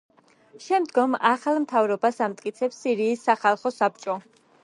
შემდგომ ახალ მთავრობას ამტკიცებს სირიის სახალხო საბჭო.